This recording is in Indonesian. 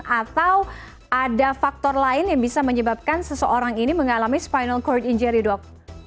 atau ada faktor lain yang bisa menyebabkan seseorang ini mengalami spinal cord injury dok